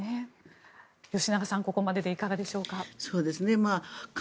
吉永さん、ここまででいかがでしょうか。